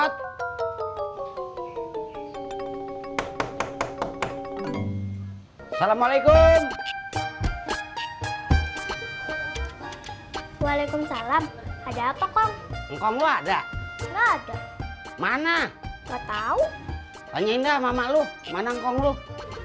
tis penumpang loh